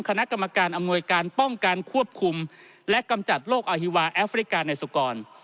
คณะกรรมการอำนวยการป้องกันควบคุมและกำจัดโรคอาฮิวาแอฟริกาในสุกร